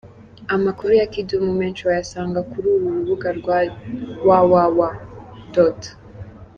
Amakuru ya Kidum menshi wayasanga kuri uru rubuga rwa www.